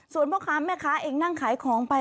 ส่วนพ่อค้าแม่ค้าเองนั่งขายของไป